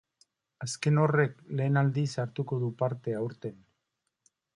Azken horrek, lehen aldiz hartuko du parte aurten.